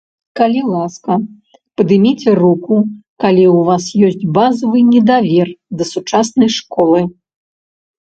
Калі ласка, падыміце руку, калі ў вас ёсць базавы недавер да сучаснай школы.